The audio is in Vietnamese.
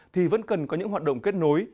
thì vẫn cần có những hoạt động kết nối